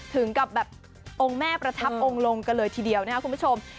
ถึงกับแบบองค์แม่ประทับองค์ลงกันเลยทีเดียวนะครับคุณผู้ชม